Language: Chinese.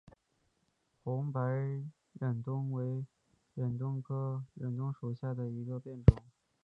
红白忍冬为忍冬科忍冬属下的一个变种。